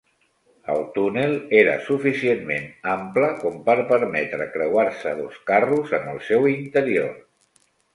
El túnel era suficientment ample com per permetre creuar-se dos carros en el seu interior.